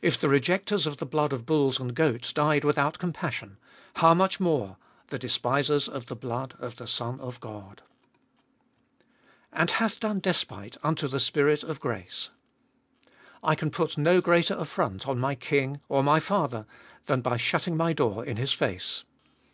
If the rejectors of the blood of bulls and goats died without compassion, how much more — the despisers of the blood of the Son of God ! And hath done despite unto the Spirit of grace ! I can put no greater affront on my king, or my father, than by shutting my door in his face.